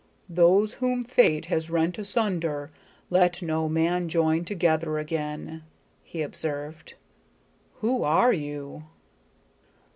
"Those whom fate has rent asunder, let no man join together again," he observed. "Who are you?"